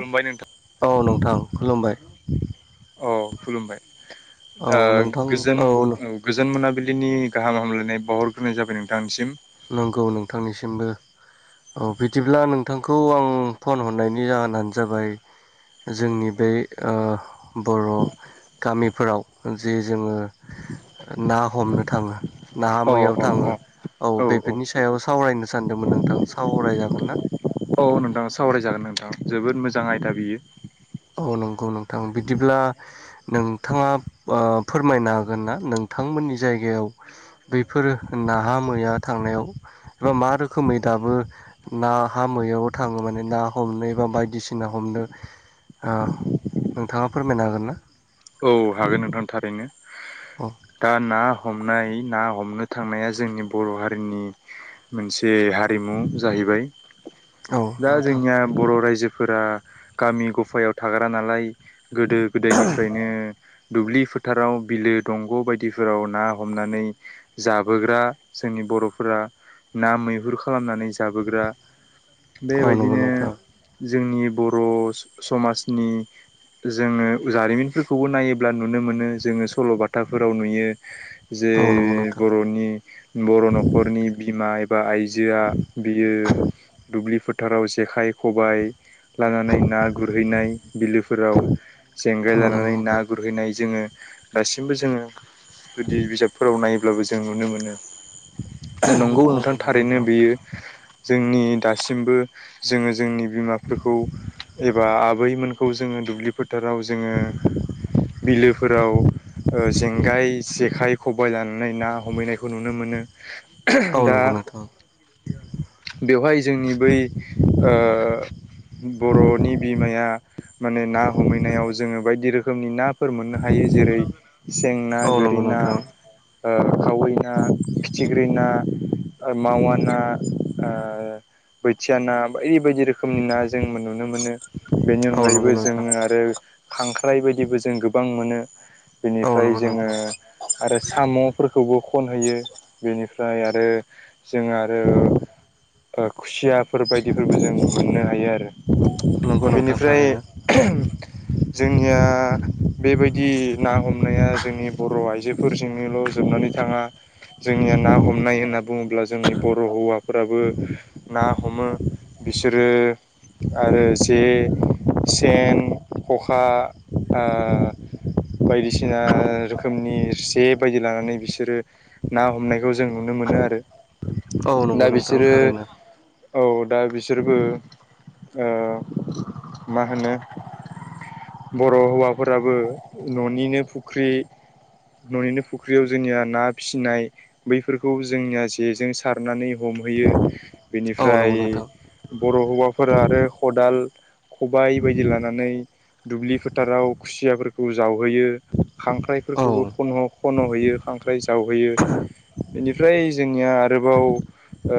खुलुमबाय नोंथां। औ नोंथां खुलुमबाय अ खुलुमबाय औ नोंथां गोजोन औ गोजोन मोनाबिलि दिनैनि गाहाम हामलायनाय बावहरग्रोनाय जाबाय नोंथांनिसिम नंगौ नोंथांनिसिमबो औ बिदिब्ला नोंथांखौ आं फन हरनायनि जाहोनानो जाबाय जोंनि बै बर' गामिफोराव जि जोङो ना हमनो थाङो नाहा अ मैहायाव थाङो अ औ बेफोरनि सायाव सावरायनो सानदोंमोन नोंथां सावरायजागोन ना नोंथाङा सावरायजागोन नोंथां जोबोद मोजां आयदा बियो औ नंगौ नोंथां बिदिब्ला नोंथाङा फोरमायनो हागोन ना नोंथां नि जायगायाव बैफोर नाहा मैहा थांनायाव एबा मा रोखोमै दाबो नाहा मैाहायाव थाङो माने ना हमनो एबा बायदिसिना हमनो नोंथाङा फोरमायनो हागोन ना औ हागोन नोंथां थारैनो औ दा ना हमनाय ना हमनो थांनाया जोंनि बर' हारिनि मोनसे हारिमु जाहैबाय औ दा नोंथां जोंनिया बर' रायजो फोरा गामि गफायाव थाग्रा नालाय गोदो गोदाय निफ्रायनो दुब्लि फोथाराव बिलो दंग' बायदिफोराव ना हमनानै जाबोग्रा जोंनि बर'फोरा ना मैहुर खालामनानै जाबोग्रा औ नंगौ बेबायदिनो नोंथां जोंनि बर' समाजनि जोङो जारिमिन फोरखौबो नायोब्ला नुनो मोनो जोङो सल'बाथाफोराव नुयो जे औ नंगौ नोंथां बर'नि बर' न'खरनि बिमा बा आइजोआ बियो दुब्लि फोथाराव जेखाइ खबाय लानानै ना गुरहैनाय बिलोफोराव जेंगाय औ नंगौ लानानै ना नोंथां गुरहैनाय जोङो दासिमबो जोङो जुदि बिजाबफोराव नायोब्लाबो जों नुनो मोनो दा नंगौ औ नोंथां नंगौ थारैनो नोंथां बेयो जोंनि दासिमबो जोङो जोंनि बिमाफोरखौ एबा आबैमोन खौ जोङो दुब्लि फोथाराव जोङो बिलोफोराव खबाय लानानै ना हमहैनायखौ नुनो मोनो औ दा नंगौ नोंथां बेवहाय जोंनि बै ओ बर'नि बिमाया माने ना हमहैनायाव जोङो बायदि रोखोमनि नाफोर मोननो हायो जेरै सें ना औ नंगौ गोरि ना नोंथां ओ खावै ना फिथिख्रि ना मावा ना ओ बोथिया ना बायदि बायदि रोखोमनि ना जों नुनो मोनो बेनि औ अनगायैबो नंगौ नोंथां जोङो आरो खांख्राइ बायदिबो जों गोबां मोनो औ बेनिफ्राय नंगौ जोङो नोंथां आरो साम'फोरखौबो खन होयो बेनिफ्राय आरो जों आरो ओ खुसिया फोर बायदिफोरबो जों मोननो हायो आरो नंगौ नोंथां बेनिफ्राय थारैनो जोंनिया बेबायदि ना हमनाया जोंनि बर' आइजोफोरजोंनोल' जोबनानै थाङा जोंनिया ना हमनाय होनना बुङोब्ला जोंनि बर' हौवाफोराबो ना हमो बिसोरो आरो जे सेन खखा ओ बायदिसिना रोखोमनि जे बायदि लानानै बिसोरो ना हमनायखौ जों नुनो मो- मोनो आरो। औ नंगौ दा नोंथां बिसोरो थारैनो औ दा बिसोरबो ओ मा होनो बर' हौवाफोराबो न'निनो फुख्रि न'निनो फुख्रियाव जोंनिया ना फिसिनाय बैफोरखौ जोंनिया जेजों सारनानै ह- हमहैयो औ नंगौ बेनिफ्राय नोंथां बर' हौवाफोरा आरो खदाल खबाय बायदि लानानै दुब्लि फोथाराव खुसियाफोरखौ जावहोयो औ खांख्राइफोरखौबो ख'न' खन'हैयो खांख्राइ जावहैयो। बेनिफ्राय जोंनिया आरोबाव ओ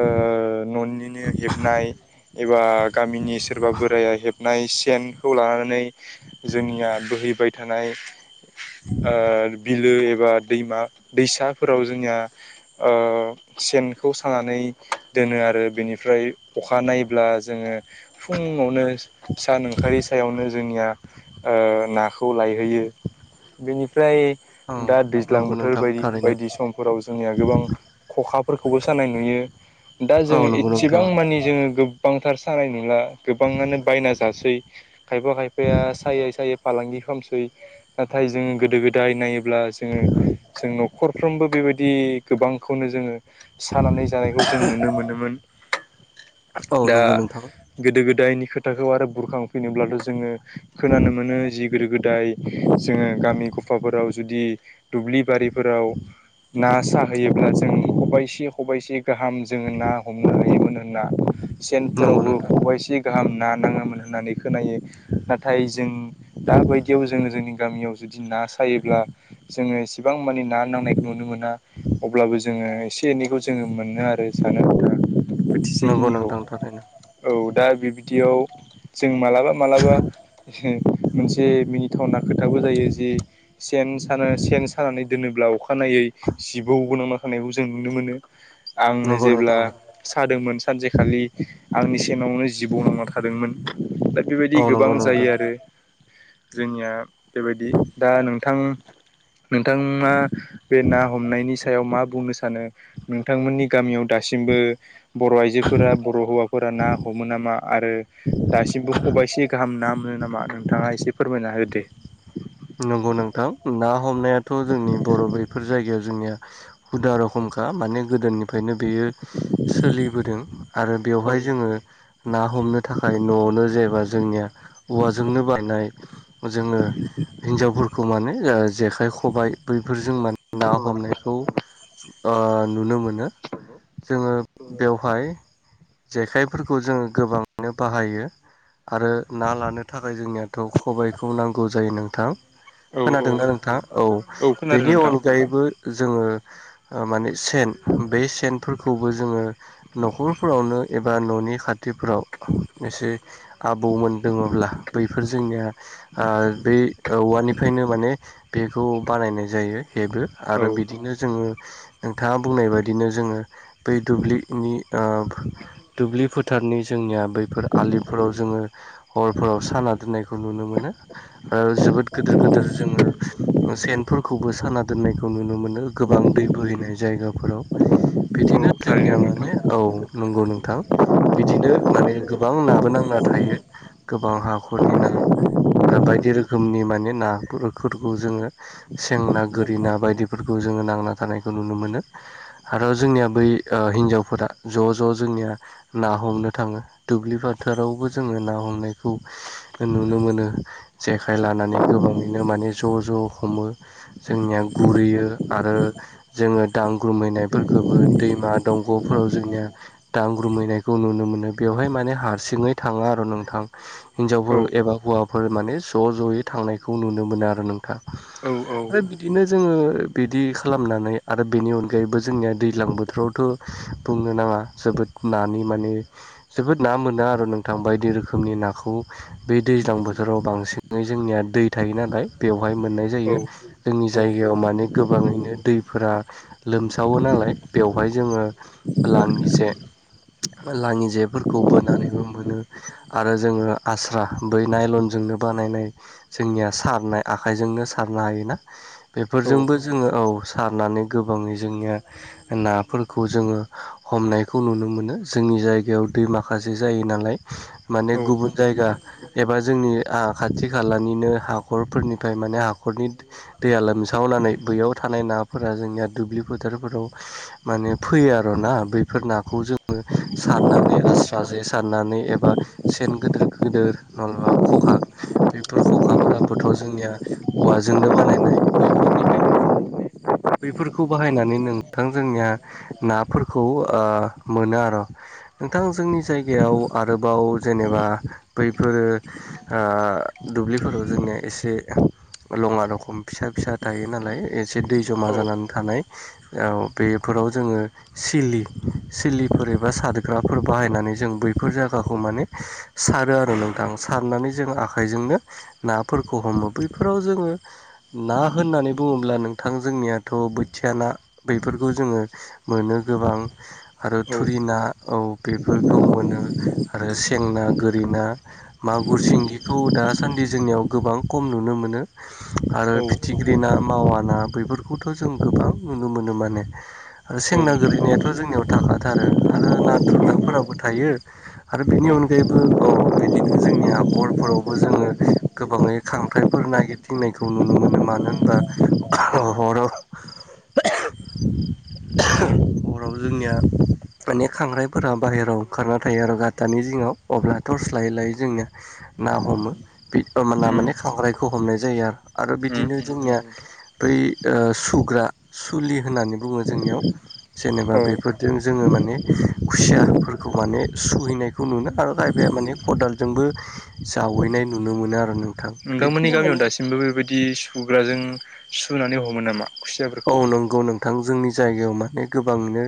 न'निनो हेबनाय एबा गामिनि सोरबा बोराया हेबनाय सेनखौ लानानै जोंनिया बोहैबाय थानाय ओ बिलो एबा दैमा दैसाफोराव जोंनिया ओ सेनखौ सानानै दोनो आरो बेनिफ्राय अखा नायब्ला जोङो फुं आवनो सान ओंखारिनि सायावनो जोंनिया ओ नाखौ लायहोयो बेनिफ्राय औ दा दैज्लां नंगौ बोथोर नोंथां बायदि थारैनो बायदि समफोराव जोंनिया गोबां खखा फोरखौबो सानाय नुयो दा औ जोङो नंगौ नोंथां एसेबां मानि जोङो गोबांथार सानाय नुला गोबाङानो बायना जासै खायफा खायफा फाया सायै सायै फालांगि खालामसै नाथाय जों गोदो गोदाय नायोब्ला जोङो जों न'खरफ्रोमबो बेबायदि गोबांखौनो जोङो सानानै जानायखौ जों नुनो मोनोमोन। औ दा नंगौ नोंथां गोदो गोदायनि खोथाखौ आरो बुरखांफैनोब्लाथ' जोङो खोनानो मोनो जि गोदो गोदाय जोङो गामि गफाफोराव जुदि दुब्लि बारि फोराव ना साहैयोब्ला जों खबाइसे खबाइसे गाहाम जोङो ना हमनो हायोमोन होनना नंगौ सेनफोरावबो नोंथां खबाइसे गाहाम ना नाङोमोन होननानै खोनायो नाथाय जों दाबायदियाव जोङो जोंनि गामियाव जुदि ना सायोब्ला जोङो एसेबां मानि ना नांनायखौ नुनो मोना अब्लाबो जोङो एसे एनैखौ जोङो मोनो आरो जानो आनथा नंगौ नोंथां थारैनो औ दा बिबदियाव जों मालाबा मालाबा मोनसे मिनिथावना खोथाबो जायो जिे सेन सा सेन सानानै दोनोब्ला अखानायै जिबौ गोनांना थानायखौ जों नुनो मोनो आंनो नंगौ नोंथां जेब्ला औ सादोंमोन सानसेखालि आंनि सेनावनो जिबौ नांना थादोंमोन दा बेबायदि गोबां नंगौ नोंथां जायो आरो जोंनिया बेबायदि दा नोंथां नोंथां मा बे ना हमनायनि सायाव मा बुंनो सानो नोंथांमोननि गामियाव दासिम सिमबो बर' आइजोफोरा बर' हौवाफोरा ना हमो नामा आरो दासिमबो खबाइसे गाहाम ना मोनो नामा नोंथाङा एसे फोरमायना होदो। नंगौ नोंथां ना हमनायाथ' जोंनि बर' बेफोर जायगायाव जोंनिया हुदा रखमखा माने गोदोनि फायनो बेयो सोलिबोदों आरो औ बेवहाय जोङो ना हमनो थाखाय न' नो जेनेबा जोंनिया औवाजोंनो बानायनाय जोङो माने ओ जेखाइ, खबाइ बैफोरजों माने ना हमनायखौ ओ नुनो मोनो ओ जोङो बेवहाय जेखाइफोरखौ जोङो गोबाङैनो बाहायो। आरो ना लानो थाखाय जोंनियाथ' खबायाइखौ नांगौ जायो नोंथां। औ औ खोनादोंना नोंथाङा? औ खोनादों बेनि नोंथां अनगायैबो जोङो माने सेन बे सेनफोरखौबो जोङो न'खरफोरावनो एबा न'नि खाथिफ्राव एसे आबौमोन दङब्ला बैफोर जोंनिया ओ बै औवानिफ्रायनो माने बेखौ बानायनाय जायो हेबो औ आरो बिदिनो जोङो नोंथाङा बुंनाय बादिनो जोङो बै दुब्लिनि दुब्लि फोथार नि जोंनिया बैफोर आलिफोराव जोङो हरफोराव साना दोननायखौ नुनो मोनो आ जोबोद गोदोर गोदोर जोङो सेनफोर खौबो साना दोननायखौ नुनो मोनो गोबां दै बोहैनाय जायगाफोराव औ बिदिनो थारैनो जोंनिया नोंथां माने औ नंगौ नंगौ नोंथां बिदिनो माने गोबां नाबो नांना थायो। गोबां हाखरनि ना आरो बायदि रो खोमनि माने नाफोरखौ जोङो सेंना, गोरि ना बायदिफोरखौ जोङो नांना थानायखौ नुनो मोनो आरो जोंनिया बै हिनजावफोरा ज' ज' जोंनिया ना हमनो थाङो दुब्लि फोथारावबो जो ना हमनाय नुनो मोनो जे खाइ लानानै गोबाङैनो माने ज' ज' हमो जोंनिया गुरैयो आरो जोङो दांग्रोमहैनायफोरखौबो दैमा दंग'फोराव जोंनिया दांग्रोमहैनायखौ नुनो मोनो बेयावहाय मान हारसिङै थाङा आरो नोंथां औ हिनजावफोरबा हौवाफोर माने ज' ज'यै थांनायखौ नुनो मोनो आरो नोंथां औ औ आरो बिदिनो जोङो बिदि खालामनानै आरो बेनि अनगायैबो जोंनिया दैलां बोथोरावथ' बुंनो नाङा जोबोद ना नि माने जोबोद ना मोनो आरो नोंथां बायदि रोखोमनि नाखौ बे दैज्लां बोथोराव बांसिन जोंनिया दै थायो नालाय बेवहाय मोननाय औ जायो जोंनि औ जायगायाव माने गोबाङै दैफोरा लोमसावो नालाय बेवहाय जोङो लाङि जे लाङि जेफोरखौ बोनानैबो मोनो आरो जोङो आस्रा बै नायलनजोंनो बानायनाय जोंनिया सारनाय आखाइजोंनो सारनो हायोना औ औ बेफोरजोंबो जोङो औ सारनानै गोबाङै जोंनिया नाफोरखौ जोङो हमनायखौ नुनो मोनो जों जोंनि जायगायाव दै माखासे जायो नालाय माने गुबुन जायगा एबा जोंनि आंहा खाथि खालानिनो हाखरफोरनिफ्राय माने हाखरनि दैया लोमसावनानै बैयाव था नाय नाफोरा जोंनिया दुब्लि फोथारफोराव माने फैयो आर ना बैफोर नाखौ जोङो सारनानै आस्रा जै सारनानै एबा सेन गिदिर गिदिर नलबा खखा बेफोर खखाफोराबोथ' जोंनिया औवाजोंनो बानायनाय बैफोरनिफ्रायनो जों माने बेफोरखौ बाहायनानै नोंथां जोंनिया नाफोरखौ ओ मोनो आरो। नोंथां जोंनि जायगायाव आरोबाव जेनेबा बैफोरो ओ दुब्लिफोराव जोंनिया एसे लङा रखम फिसा फिसा थायो नालाय एसे दै जमा जानानै थानाय औ बेफोराव जोङो सिलि सिलिफोर एबा सादग्राफोर बाहायनानै जों बैफोर जायगाखौ माने सारो आरो नोंथां। सारनानै जों आखाइजोंनो नाफोरखौ हमो बैफोराव जोङो ना होननानै बुङोब्ला नोंथां जोंनियाथ' बोथिया ना बेफोरखौ जोङो मोनो गोबां आरो थुरि ना औ बेफोरखौ मोनो आरो सेंना, गोरि ना मागुर, सिंगिखौ दासान्दि जोंनियाव गोबां खम नुनो मोनो। आरो फिथिख्रि ना, मावा ना बेफोरखौथ' जों गोबां नुनो मोनो माने आरो सेंना औ गोलैनायाथ' जोंनियाव थाखाथारो। आरो नाथुर नाफोराबो थायो आरो बेनि अनगायैबो औ बिदिनो जोंनिया हरफोरावबो जोंङो गोबाङै खांथ्राइफोर नागिरदिंनायखौ नुनो मोनो मानो होनबा हर हराव जोंनिया मान खांराइफोरा बाहेरायाव ओंखारना थायो आरो गतानि जिङाव अब्ला टर्स लायै लायै जोंनिया ना हमोा माने खांख्रायखौ हमनाय जायो आरो आरो बिदिनो औ जोंनिया बै सुग्रा सुलि होननानै बुंङो जोंनियाव जेनेबा औ बेफोरजों जोंङो माने खुसियाफोरखौ माने सुहैनायखौ नुनो आरो जाहबायाया माने खदाल जोंबो जावैनाय नुनो मोनो आरो नोंथां नोंथांमोननि बिदिनो गामियाव माने दासिमबो बेबायदि सुग्राजों सुनानै हमो नामा औ खुसियाफोरखौ? नंगौ नोंथां जोंनि जाय म गोबांनो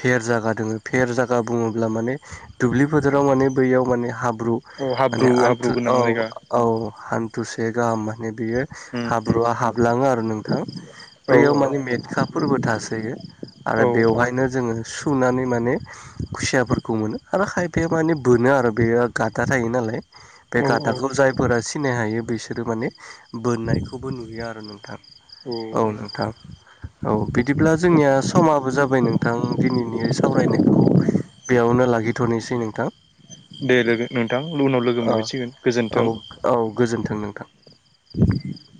फेर जा बुंङोब्ला माने दुब्लि माने बैयाव माने हाब औ हाब्रु हाब्रु मानेथु गोनां औ जायगा औ हान्थुसे गाहाम माने बेयो उम उम हाब्रुआ हाबलांङो आरो नोंथां औ बैयाव माने मेटखा फोरबो थासोयो आरो औ बेवहायनो जोंङो सुनानै माने खुसियाफोरखौ मोनो आरो खायफाया माने बोनो आरो बे गाददा थायो नालाय बे औ औ गथाखौ जायफोरा सिनाय हायो बिसोरो माने बोननायखौबो नुयो आरो नोंथां औ नों दा औ बिदिब्ला जोंनिया समाबो जाबाय नोंथां दिनैनि सावरायनायखौ बेयावनो लागिथ'नोसै नोंथां दे लोगो नोंथां उनाव लोगो औ मोनफैसिगोन गोजोन्थों। औ गोजोनथोंदों [inaudible]